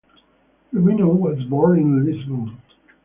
Robinho was born in Lisbon.